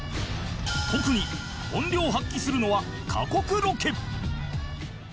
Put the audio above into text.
特に本領を発揮するのは過酷ロケ